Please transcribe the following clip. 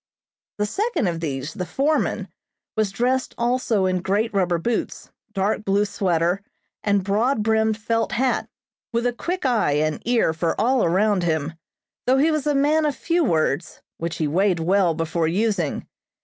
The second of these, the foreman, was dressed also in great rubber boots, dark blue sweater, and broad brimmed felt hat, with a quick eye and ear for all around him, though he was a man of few words, which he weighed well before using.